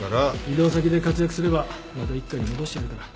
異動先で活躍すればまた一課に戻してやるから